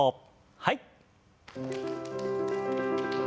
はい。